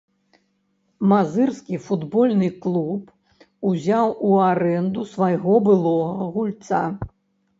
Мазырскі футбольны клуб узяў у арэнду свайго былога гульца.